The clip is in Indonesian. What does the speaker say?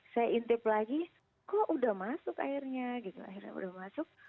saya intip lagi kok udah masuk airnya gitu akhirnya udah masuk